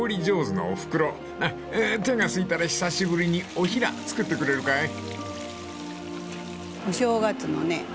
［手がすいたら久しぶりにおひら作ってくれるかい？］